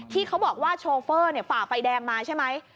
ที่เขาบอกว่าโชเฟอร์ฝ่าไฟแดงมาใช่ไหม